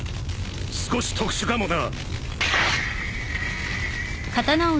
少し特殊かもな。